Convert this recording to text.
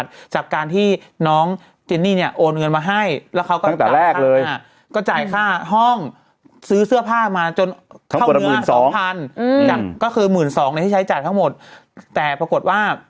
ท่านเป็นเจ้าอาวาสวัดไร่ตะพุธ